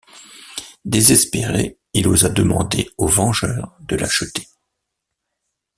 Désespéré, il osa demander aux Vengeurs de l'acheter.